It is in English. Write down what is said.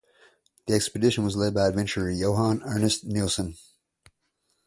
The expedition was led by adventurer Johan Ernst Nilson.